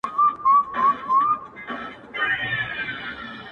گرانه اخنده ستا خـبري خو خوږې نـغمـې دي